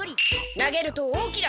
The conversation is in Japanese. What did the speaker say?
投げると大きな。